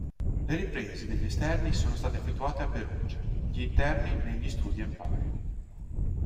Le riprese degli esterni sono state effettuate a Perugia, gli interni negli studi Empire.